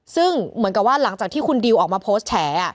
ซึ่งเหมือนกับว่าหลังจากที่คุณดิวออกมาโพสต์แฉ